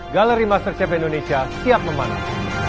galeri mastercb indonesia siap memanah